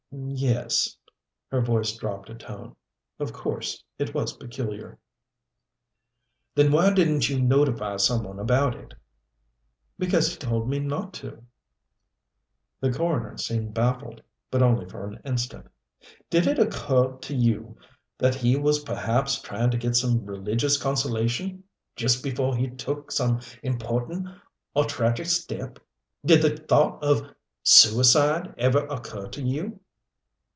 "Yes." Her voice dropped a tone. "Of course it was peculiar." "Then why didn't you notify some one about it?" "Because he told me not to." The coroner seemed baffled but only for an instant. "Did it occur to you that he was perhaps trying to get some religious consolation just before he took some important or tragic step? Did the thought of suicide ever occur to you?"